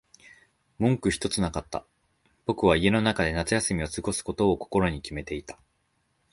文句ひとつなかった。僕は家の中で夏休みを過ごすことを心に決めていた。